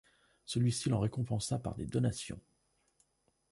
Celui-ci l'en récompensa par des donations.